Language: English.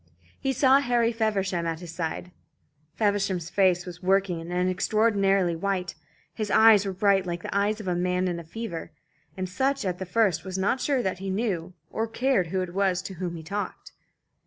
He saw Harry Feversham at his side. Feversham's face was working and extraordinarily white, his eyes were bright like the eyes of a man in a fever; and Sutch at the first was not sure that he knew or cared who it was to whom he talked.